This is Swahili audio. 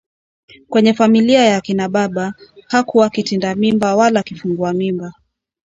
Kwenye familia ya akina baba, hakuwa kitinda mimba wala kifungua mimba